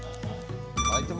アイテム